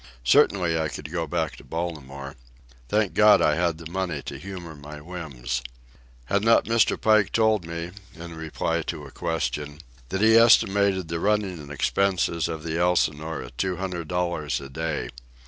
Certainly I could go back to Baltimore. Thank God I had the money to humour my whims. Had not Mr. Pike told me, in reply to a question, that he estimated the running expenses of the Elsinore at two hundred dollars a day?